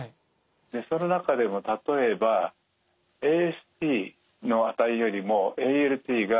その中でも例えばＡＳＴの値よりもＡＬＴが高い。